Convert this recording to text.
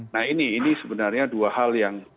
nah ini sebenarnya dua hal yang